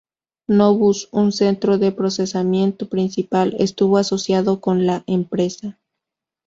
Novus, un centro de procesamiento principal, estuvo asociado con la empresa.